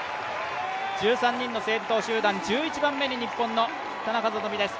１３人の先頭集団、１１番目に日本の田中希実です。